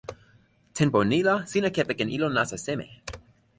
tenpo ni la sina kepeken ilo nasa seme?